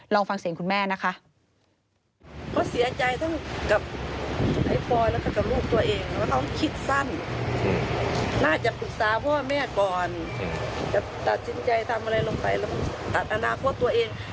ลองฟังเสียงคุณแม่นะคะ